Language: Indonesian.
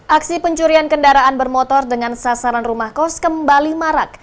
aksi pencurian kendaraan bermotor dengan sasaran rumah kos kembali marak